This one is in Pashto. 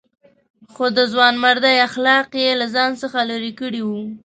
خو د ځوانمردۍ اخلاق یې له ځان څخه لرې کړي وو.